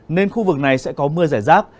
nên khu vực này sẽ có mưa rải rác